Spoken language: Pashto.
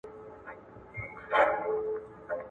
خلګ خپل سیاسي لوری په خپله ټاکي.